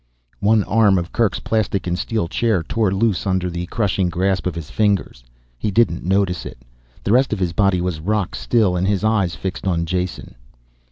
One arm of Kerk's plastic and steel chair tore loose under the crushing grasp of his fingers. He didn't notice it. The rest of his body was rock still and his eyes fixed on Jason.